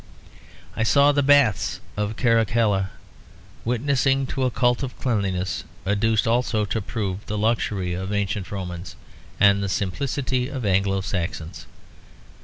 I saw the Baths of Caracalla, witnessing to a cult of cleanliness, adduced also to prove the luxury of Ancient Romans and the simplicity of Anglo Saxons.